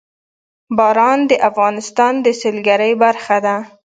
باران د افغانستان د سیلګرۍ برخه ده.